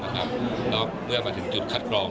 ก็เมื่อมาถึงจุดคัดกรอง